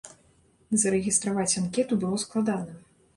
Зарэгістраваць анкету было складана.